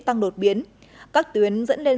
tăng đột biến các tuyến dẫn lên